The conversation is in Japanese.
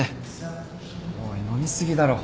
おい飲み過ぎだろ。